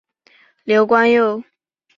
刘冠佑。